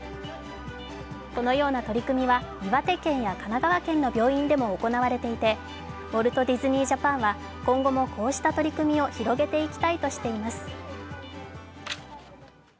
このような取り組みは岩手県や神奈川県の病院でも行われていて、ウォルト・ディズニー・ジャパンは今後もこうした取り組みを広げていきたいとしています。